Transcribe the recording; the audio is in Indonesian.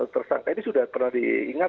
tersangka ini sudah pernah diingat